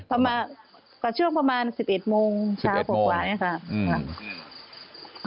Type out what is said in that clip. ประมาณก็ช่วงประมาณ๑๑โมงเช้า๖วันนะครับ